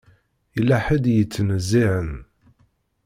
Yella ḥedd i yettnezzihen.